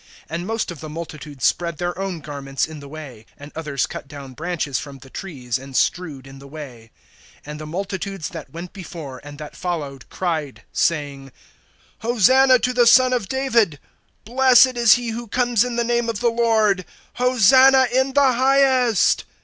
(8)And most of the multitude spread their own garments in the way; and others cut down branches from the trees, and strewed in the way. (9)And the multitudes that went before, and that followed, cried, saying: Hosanna[21:9] to the Son of David; Blessed is he who comes in the name of the Lord; Hosanna in the highest.